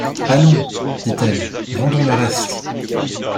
Allons ! dit-elle, vendons le reste.